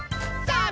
さあ